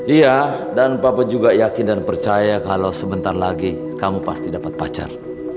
iya dan papa juga yakin dan percaya kalau sebentar lagi kamu pasti dapat pacar